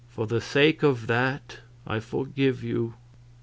For the sake of that, I forgive you."